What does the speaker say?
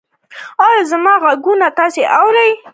ایا زما غوږونه به کڼ شي؟